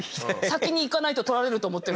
先にいかないと取られると思って。